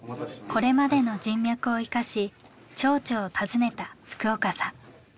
これまでの人脈を生かし町長を訪ねた福岡さん。